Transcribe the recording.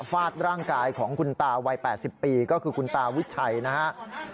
ฟาดร่างกายของคุณตาวัย๘๐ปีก็คือคุณตาวิชัยนะครับ